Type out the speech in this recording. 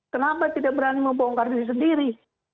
kenapa tidak berani membongkar diri sendiri